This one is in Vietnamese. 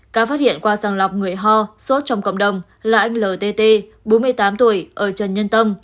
ca phát hiện qua sàng lọc người ho sốt trong cộng đồng là anh ltt bốn mươi tám tuổi ở trần nhân tông